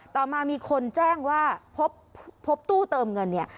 ต่อมามีคนแจ้งว่าพบตู้เติมเงินเนี่ย